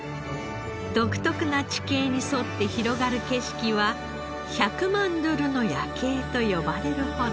独特な地形に沿って広がる景色は１００万ドルの夜景と呼ばれるほど。